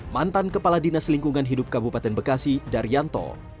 mantan kepala dinas lingkungan hidup kabupaten bekasi daryanto